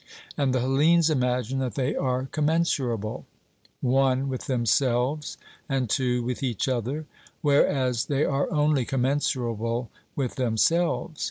And the Hellenes imagine that they are commensurable (1) with themselves, and (2) with each other; whereas they are only commensurable with themselves.